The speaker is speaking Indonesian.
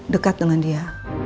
dekat dengan dia